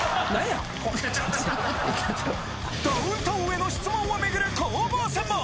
ダウンタウンへの質問をめぐる攻防戦も！